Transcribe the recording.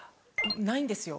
ないんですよ